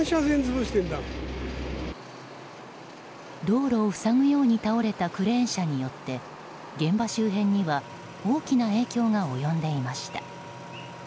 道路を塞ぐように倒れたクレーン車によって現場周辺には大きな影響が及んでいました。